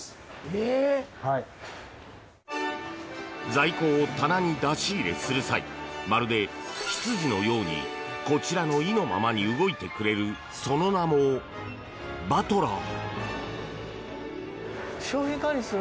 在庫を棚に出し入れする際まるで執事のようにこちらの意のままに動いてくれるその名もバトラー。